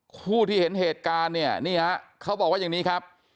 ผู้ที่เห็นเหตุการณ์เนี่ยนี่ฮะเขาบอกว่าอย่างนี้ครับ